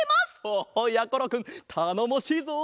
おおやころくんたのもしいぞ。